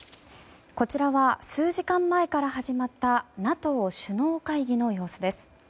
こちらは数時間前から始まったＮＡＴＯ首脳会議の様子です。